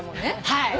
はい。